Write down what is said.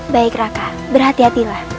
baik raka berhati hatilah